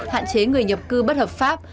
hạn chế người nhập cư bất hợp pháp